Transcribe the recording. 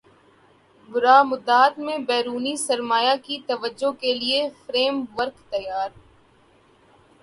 برامدات میں بیرونی سرمایہ کی توجہ کیلئے فریم ورک تیار